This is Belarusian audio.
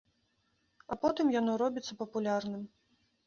А потым яно робіцца папулярным.